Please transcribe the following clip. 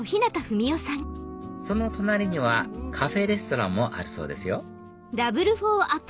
その隣にはカフェレストランもあるそうですよ